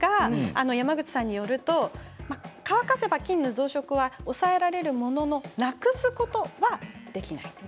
山口さんによると乾かせば菌の増殖を抑えられるもののなくすことはできない。